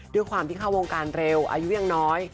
ด้วยความที่เข้าวงการเร็วอายุยังน้อย